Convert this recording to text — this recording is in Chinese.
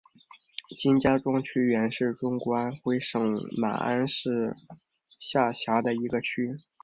金家庄区原是中国安徽省马鞍山市下辖的一个区。